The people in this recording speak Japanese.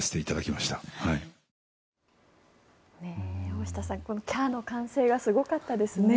大下さん、このキャー！の歓声がすごかったですね。